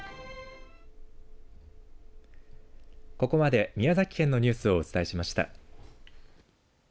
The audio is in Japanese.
ここまで宮崎県のニュースをお伝えしました。